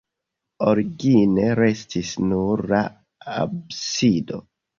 Origine restis nur la absido.